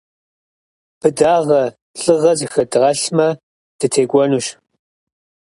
Быдагъэ, лӏыгъэ зыхэдгъэлъмэ, дытекӏуэнущ.